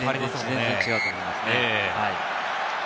全然違うと思いますね。